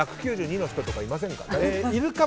１９２ｃｍの人とかいませんか？